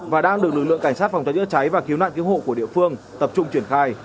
và đang được lực lượng cảnh sát phòng cháy chữa cháy và cứu nạn cứu hộ của địa phương tập trung triển khai